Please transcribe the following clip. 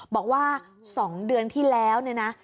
บอกว่า๒เดือนที่แล้วเนี่ยนะ